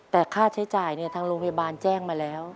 แต่ค่าใช้จ่ายทางโรงพยาบาลแจ้งมาแล้ว